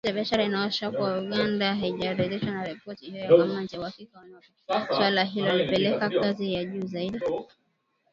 Ripoti ya Baraza inaonyesha kuwa Uganda haijaridhishwa na ripoti hiyo ya " kamati ya uhakiki “ na wanapendelea suala hilo lipelekwe ngazi ya juu zaidi